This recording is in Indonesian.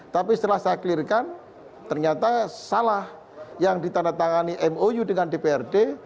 tapi setelah saya clear kan ternyata salah yang ditandatangani mou dengan dprd